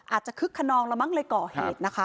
อาจจะคึกคะนองละมั้งเลยก่อเหตุนะคะ